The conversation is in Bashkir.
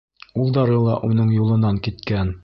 Улдары ла уның юлынан киткән.